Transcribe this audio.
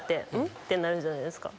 ってなるじゃないですか。